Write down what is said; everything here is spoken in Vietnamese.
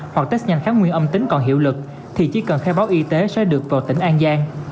hoặc test nhanh kháng nguyên âm tính còn hiệu lực thì chỉ cần khai báo y tế sẽ được vào tỉnh an giang